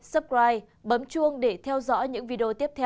xin chào và hẹn gặp lại các bạn ở những tin tức tiếp theo